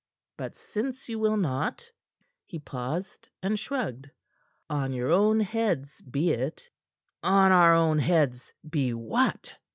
But since you will not " He paused and shrugged. "On your own heads be it." "On our own heads be what?"